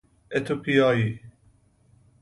اتوپیایی